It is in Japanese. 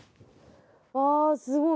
ああすごい。